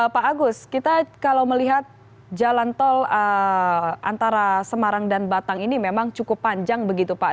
pak agus kita kalau melihat jalan tol antara semarang dan batang ini memang cukup panjang begitu pak